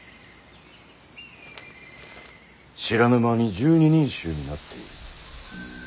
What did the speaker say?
知らぬ間に１２人衆になっている。